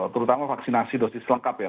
terutama vaksinasi dosis lengkap ya